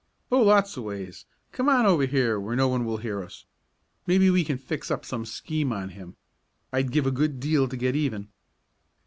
"Oh, lots of ways. Come on over here where no one will hear us. Maybe we can fix up some scheme on him. I'd give a good deal to get even."